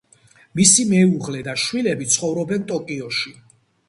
მისი მეუღლე და შვილები ცხოვრობენ ტოკიოში.